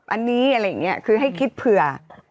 อันนี้อะไรอย่างนี้คือให้คิดเผื่อ